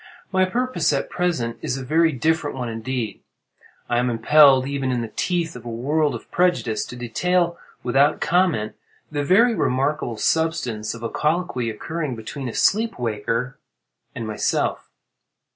My purpose at present is a very different one indeed. I am impelled, even in the teeth of a world of prejudice, to detail without comment the very remarkable substance of a colloquy, occurring between a sleep waker and myself.